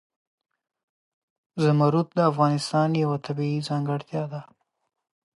زمرد د افغانستان یوه طبیعي ځانګړتیا ده.